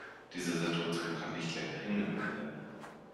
Diese Situation kann nicht länger hingenommen werden.